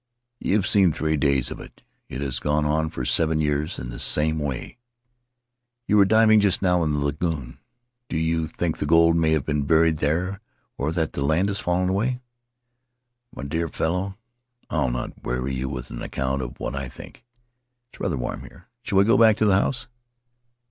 "You have seen three days of it. It has gone on for seven years in the same way." "You were diving just now in the lagoon. Do you Faery Lands of the South Seas think the gold may have been buried there or that the land has fallen away?" " My dear fellow, I'll not weary you with an account of what I think. It's rather warm here. Shall we go back to the house?"